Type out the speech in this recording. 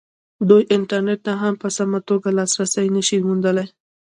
دوی انټرنېټ ته هم په سمه توګه لاسرسی نه شي موندلی.